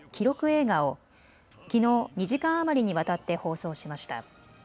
映画をきのう２時間余りにわたって放送しました。